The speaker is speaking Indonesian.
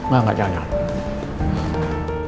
gak gak jangan